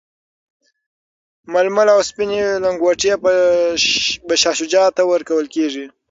ململ او سپیني لنګوټې به شاه شجاع ته ورکول کیږي.